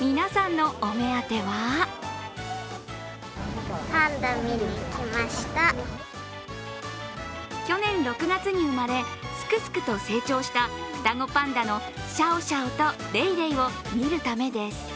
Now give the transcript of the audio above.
皆さんのお目当ては去年６月に生まれ、すくすくと成長した双子パンダのシャオシャオとレイレイを見るためです。